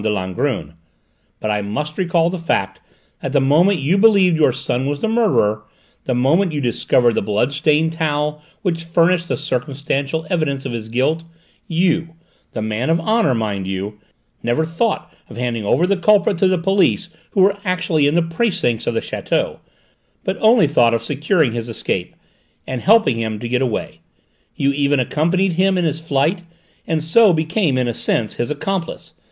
de Langrune, but I must recall the fact that the moment you believed your son was the murderer, the moment you discovered the blood stained towel which furnished the circumstantial evidence of his guilt, you the man of honour, mind you, never thought of handing over the culprit to the police who were actually in the precincts of the château, but only thought of securing his escape, and helping him to get away! You even accompanied him in his flight, and so became in a sense his accomplice.